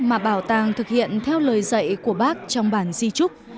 mà bảo tàng thực hiện theo lời dạy của bác trong bản di trúc